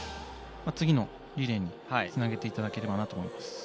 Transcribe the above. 次のリレーにつなげていただければと思います。